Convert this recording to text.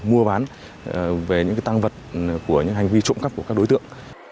mua bán về những tăng vật của những hành vi trộm cắp của các đối tượng